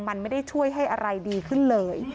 มันไม่ได้ช่วยให้อะไรดีขึ้นเลย